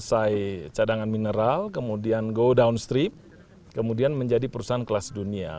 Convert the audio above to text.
mandat yang diberikan adalah menguasai cadangan mineral kemudian go downstream kemudian menjadi perusahaan kelas dunia